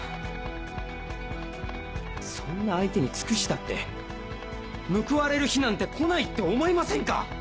そんな相手に尽くしたって報われる日なんて来ないって思いませんか？